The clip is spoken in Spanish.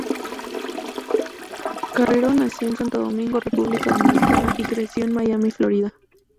Carrero nació en Santo Domingo, República Dominicana y creció en Miami, Florida.